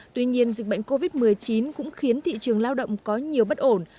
tuy nhiên dịch bệnh covid một mươi chín cũng khiến thị trường lao động có nhiều bất ổn